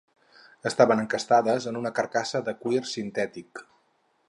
Estaven encastades en una carcassa de cuir sintètic.